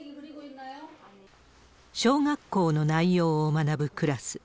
小学校の内容を学ぶクラス。